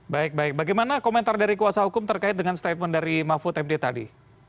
baik baik bagaimana komentar dari kuasa hukum terkait dengan statement dari mahfud md tadi